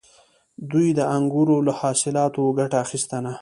دوی د انګورو له حاصلاتو ګټه اخیسته